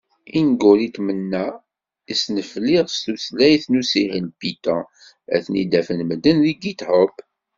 Ilguritmen-a i snefliɣ s tutlayt n usihel Python, ad ten-afen medden deg Github.